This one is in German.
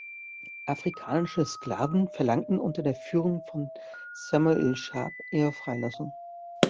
Afrikanische Sklaven verlangten unter der Führung von Samuel Sharpe ihre Freilassung.